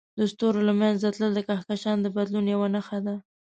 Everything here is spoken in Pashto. د ستوري له منځه تلل د کهکشان د بدلون یوه نښه ده.